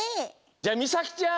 じゃあみさきちゃん